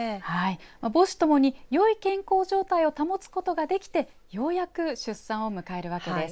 母子共によい健康状態を保つことができてようやく出産を迎えるわけです。